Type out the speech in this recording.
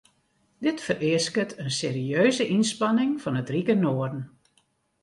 Dit fereasket in serieuze ynspanning fan it rike noarden.